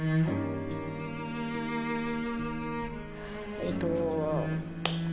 えっと。